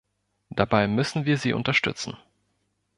Dabei müssen wir sie unterstützen.